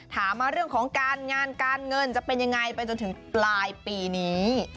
ถามมาเรื่องของการงานการเงินจะเป็นยังไงไปจนถึงปลายปีนี้